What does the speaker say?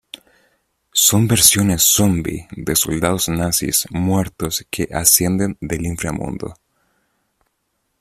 Son versiones zombie de soldados nazis muertos que ascienden del inframundo.